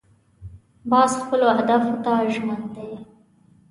باز خپلو اهدافو ته ژمن دی